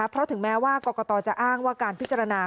เพราะถึงแม้ว่ากรกตจะอ้างว่าการพิจารณา